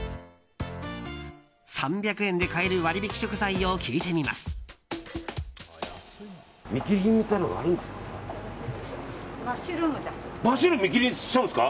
３００円で買える割引食材を聞いてみます。